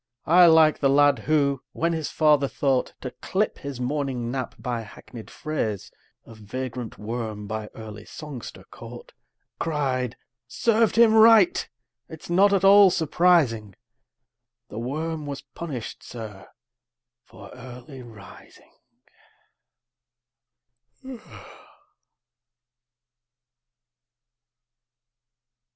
I like the lad who, when his father thought To clip his morning nap by hackneyed phrase Of vagrant worm by early songster caught, Cried, "Served him right! it's not at all surprising; The worm was punished, sir, for early rising!"